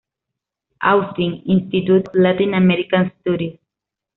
Austin: Institute of Latin American Studies.